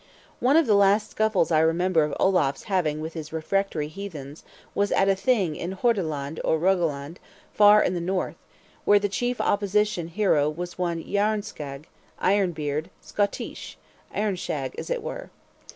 One of the last scuffles I remember of Olaf's having with his refractory heathens, was at a Thing in Hordaland or Rogaland, far in the North, where the chief opposition hero was one Jaernskaegg ("ironbeard") Scottice ("Airn shag," as it were!).